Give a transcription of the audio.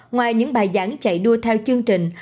ngoài những bài giảng chạy đua theo chương trình